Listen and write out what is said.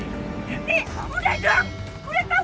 si udah dong